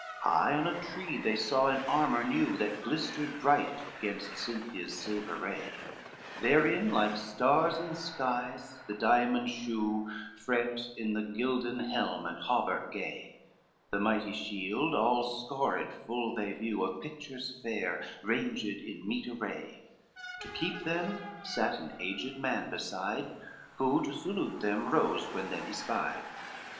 LVIII High on a tree they saw an armor new, That glistered bright gainst Cynthia's silver ray, Therein, like stars in skies, the diamonds show Fret in the gilden helm and hauberk gay, The mighty shield all scored full they view Of pictures fair, ranged in meet array; To keep them sate an aged man beside, Who to salute them rose, when them he spied.